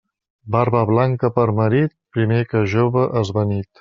Barba blanca per marit, primer que jove esvanit.